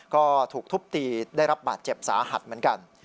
ก็ถูกทุบตีได้รับบาดเจ็บสาหัสเหมือนกัน